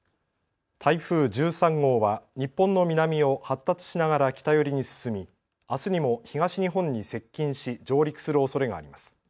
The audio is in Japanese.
台風１３号は日本の南を発達しながら北寄りに進みあすにも東日本に接近し上陸するおそれがあります。